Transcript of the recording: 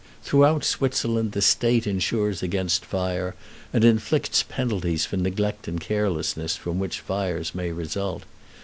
Throughout Switzerland the State insures against fire, and inflicts penalties for neglect and carelessness from which fires may result.